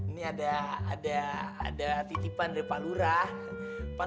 ini ada titipan dari pak lurah